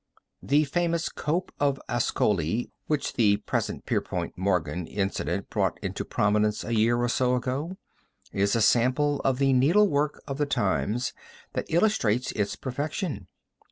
The famous cope of Ascoli which the recent Pierpont Morgan incident brought into prominence a year or so ago, is a sample of the needlework of the times that illustrates its perfection.